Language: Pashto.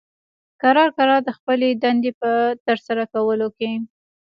کرار کرار د خپلې دندې په ترسره کولو کې